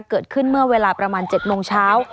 เกิดขึ้นเมื่อเวลาประมาณ๗โมงเช้า